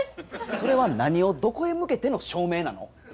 それは何をどこへ向けての証明なの？